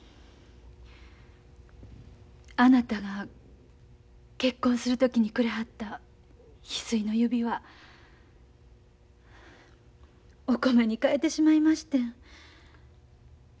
あなたが結婚する時にくれはった翡翠の指輪お米に換えてしまいましてん。